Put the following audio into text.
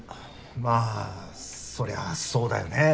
まあそりゃそうだよねぇ。